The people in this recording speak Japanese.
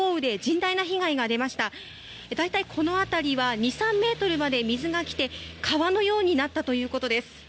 大体この辺りは２３ｍまで水がきて、川のようになったということです。